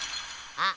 あっ。